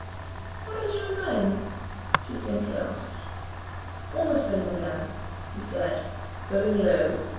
"What is your name?" she simply asked. "Ormiston, madame," he said, bowing low.